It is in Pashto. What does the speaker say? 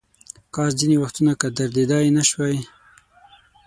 کاش ځینې وختونه که درېدای نشوای.